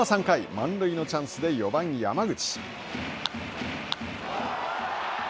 満塁のチャンスで４番山口。